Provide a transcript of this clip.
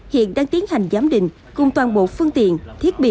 hiện đang tiến hành giám định cùng toàn bộ phương tiện thiết bị